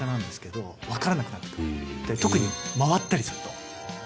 特に回ったりすると。